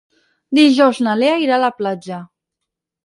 Dijous na Lea irà a la platja.